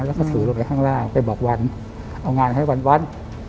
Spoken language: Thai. แล้วก็ถือลงไปข้างล่างไปบอกวันเอางานให้วัน